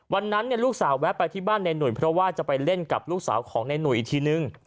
วันนั้นลูกสาวแวะไปที่บ้านในหนุ่ยเพราะว่าจะไปเล่นกับลูกสาวของในหนุ่ยอีกทีนึง